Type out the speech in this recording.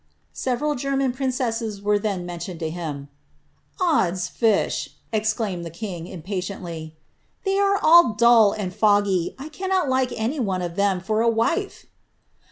Several German princesses were then mentioned to him. ish P' exclaimed the king, impatiently, ^ they are all dull and cannot like any one of them for a wife."